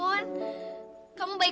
tante apakah kamu baik